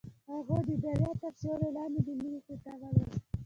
هغې د دریا تر سیوري لاندې د مینې کتاب ولوست.